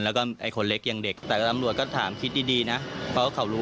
แล้วก็ไอ้คนเล็กอย่างเด็กแต่ตำรวจก็ถามคิดดีนะเพราะเขารู้